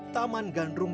taman ganrum terakun